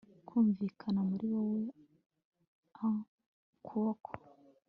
kumvikana muri wowe a kuko